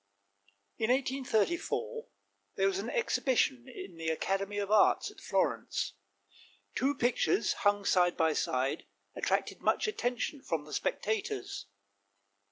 In 1834 there was an exhibition in the Academy of Arts at Florence. Two pictures hung side by side attracted much attention from the spectators.